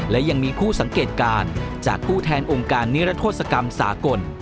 และยังมีผู้สังเกตการณ์จากผู้แทนองค์การนิรัทธศกรรมสากล